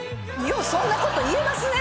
ようそんなこと言えますね。